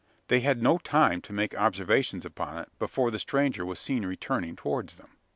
They had no time to make observations upon it, before the stranger was seen returning towards them!